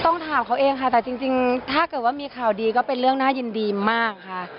ต้องถามเขาเองค่ะแต่จริงถ้าเกิดว่ามีข่าวดีก็เป็นเรื่องน่ายินดีมากค่ะ